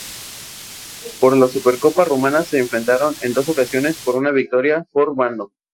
Por la Supercopa rumana se enfrentaron en dos ocasiones, con una victoria por bando.